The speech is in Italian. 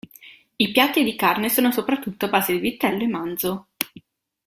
I piatti di carne sono soprattutto a base di vitello e manzo.